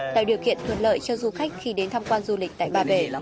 tạo điều kiện thuận lợi cho du khách khi đến tham quan du lịch tại ba bể